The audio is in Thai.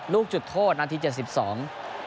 ลูกจุดโทษนาทีเจ็ดสิบสอง